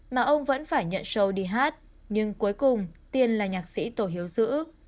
mà ông vẫn phải nhận show đi hát nhưng cuối cùng tiên là nhạc sĩ tổ hiếu giữ